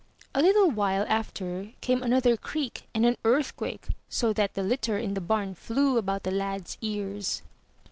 A little while after came another creak and an earthquake, so that the litter in the barn flew about the lad's ears.